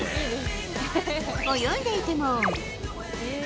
泳いでいても。